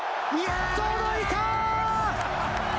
届いた！